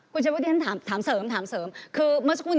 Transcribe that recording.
คุณชัยวุทธิ์ถ้างั้นถามเสริมถามเสริม